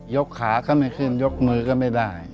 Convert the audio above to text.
กขาก็ไม่ขึ้นยกมือก็ไม่ได้